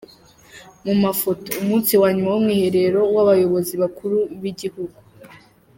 Mu mafoto: Umunsi wa nyuma w’umwihrero w’abayobozi bakuru b’igihugu.